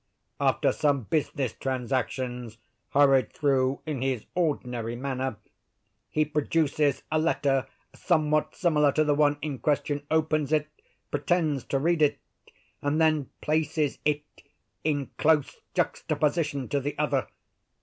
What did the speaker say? After some business transactions, hurried through in his ordinary manner, he produces a letter somewhat similar to the one in question, opens it, pretends to read it, and then places it in close juxtaposition to the other.